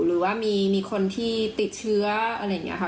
หรือว่ามีคนที่ติดเชื้ออะไรอย่างนี้ค่ะ